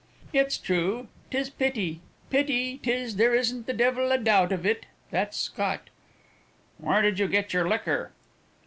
"It's true, 'tis pity; pity 'tis there isn't the devil a doubt of it. That's Scott." "Where did you get your liquor?"